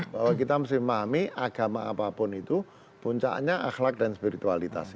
bahwa kita mesti memahami agama apapun itu puncaknya akhlak dan spiritualitas